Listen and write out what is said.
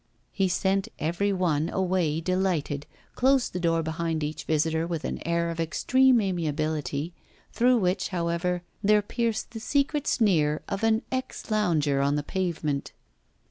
He sent every one away delighted, closed the door behind each visitor with an air of extreme amiability, through which, however, there pierced the secret sneer of an ex lounger on the pavement.